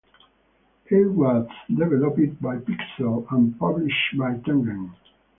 It was developed by Pixel and published by Tengen.